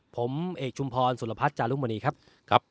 ผมเอกชุมพรสุรพัฐจารุมฬีครับครับ